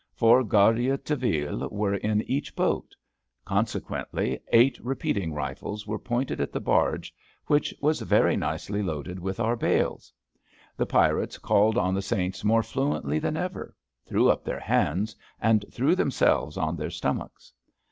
Four Guarda Civiles were in each boat; consequently, eight repeating rifles were pointed at the barge, which was very nicely 30 ABAFT THE FUNNEL loaded with our bales. The pirates called on the saints more fluently than ever, threw up their hands, and threw themselves on their stomachs.